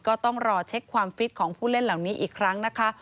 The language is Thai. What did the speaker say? ก็ต้องรอเช็คความฟิตของผู้เล่นเหล่านี้อีกครั้งนะคะ